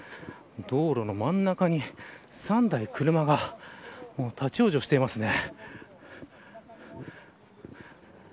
道路の真ん中に３台、車が立ち往生していますね。